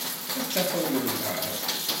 Ad tafeḍ walebɛaḍ.